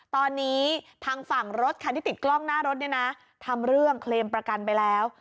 ตอนนี้ทางฝั่งรถคันที่ติดกล้องหน้ารถเนี่ยนะทำเรื่องเคลมประกันไปแล้ว